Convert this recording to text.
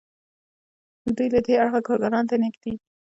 دوی له دې اړخه کارګرانو ته نږدې دي.